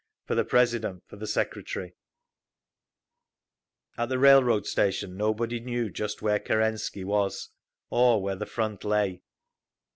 For the President For the Secretary At the railroad station nobody knew just where Kerensky was, or where the front lay.